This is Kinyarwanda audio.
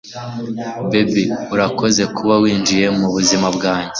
Babe, urakoze kuba winjiye mubuzima bwanjye.